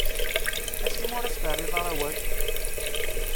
Acimi ur as-terriḍ ara awal?